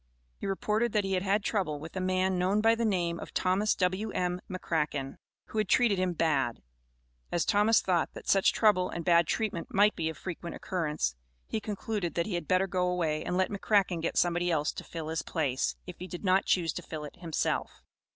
He reported that he had had trouble with a man known by the name of Thomas W.M. McCracken, who had treated him "bad;" as Thomas thought that such trouble and bad treatment might be of frequent occurrence, he concluded that he had better go away and let McCracken get somebody else to fill his place, if he did not choose to fill it himself.